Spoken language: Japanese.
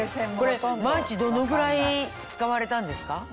これ毎日どのぐらい使われたんですか？